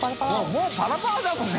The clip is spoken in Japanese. もうパラパラだもんね。